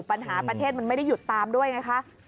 ประเทศมันไม่ได้หยุดตามด้วยไงคะ